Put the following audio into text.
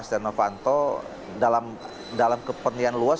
astana fanto dalam kepernihan luas